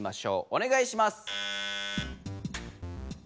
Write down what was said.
おねがいします。